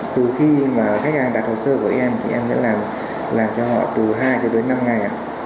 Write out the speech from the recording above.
từ khi mà khách hàng đặt hồ sơ của em thì em sẽ làm cho họ từ hai đến năm ngày